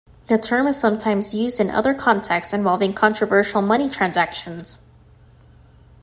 The term is sometimes used in other contexts involving controversial money transactions.